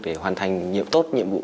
để hoàn thành tốt nhiệm vụ